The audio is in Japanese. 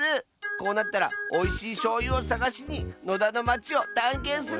こうなったらおいしいしょうゆをさがしに野田のまちをたんけんするッス！